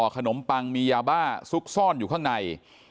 ขนมปังมียาบ้าซุกซ่อนอยู่ข้างใน